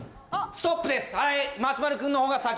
ストップです。